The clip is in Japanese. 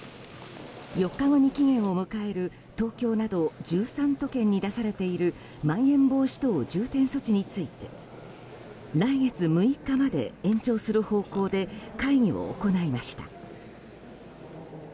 ４日後に期限を迎える東京など１３都県に出されているまん延防止等重点措置について来月６日まで延長する方向で会議を行いました。